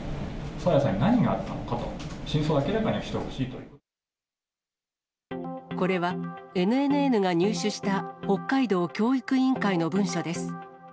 爽彩さんに何があったのかを、これは、ＮＮＮが入手した、北海道教育委員会の文書です。